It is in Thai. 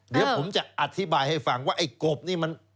เดี๋ยวผมจะอธิบายให้ฟังว่าไอ้กบนี่มัน